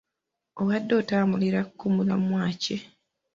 Obadde otambulira ku mulamwa ki?